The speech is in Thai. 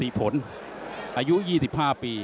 มีผลอายุ๒๕ปี